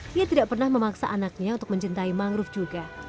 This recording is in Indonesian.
dia tidak pernah memaksa anaknya untuk mencintai mangrove juga